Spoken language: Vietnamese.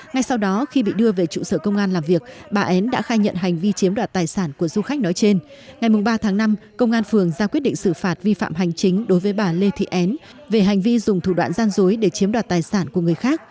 ngay sau đó khi bị đưa về trụ sở công an làm việc bà en đã khai nhận hành vi chiếm đoạt tài sản của du khách nói trên ngày ba tháng năm công an phường ra quyết định xử phạt vi phạm hành chính đối với bà lê thị en về hành vi dùng thủ đoạn gian dối để chiếm đoạt tài sản của người khác